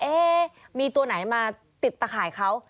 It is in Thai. เอ๊มีตัวไหนมาติดตะข่ายเขา